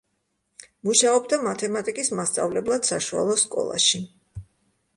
მუშაობდა მათემატიკის მასწავლებლად საშუალო სკოლაში.